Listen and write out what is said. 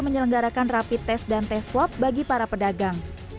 menyelenggarakan rapi tes dan tes swab bagi para pedagang